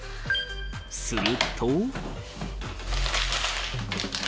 ［すると］